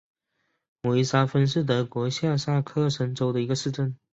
维沙芬是德国下萨克森州的一个市镇。